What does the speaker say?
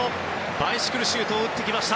バイシクルシュートを打ってきました。